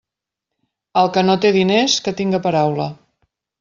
El que no té diners, que tinga paraula.